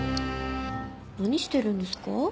何してるんですか？